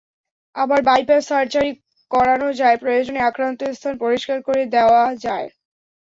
আবার bypass surgery করানো যায়, প্রয়োজনে আক্রান্ত স্থান পরিষ্কার করে দেওয়া যায়।